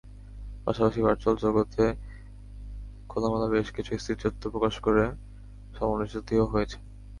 পাশাপাশি ভারচুয়াল জগতে খোলামেলা বেশ কিছু স্থিরচিত্র প্রকাশ করে সমালোচিতও হয়েছেন।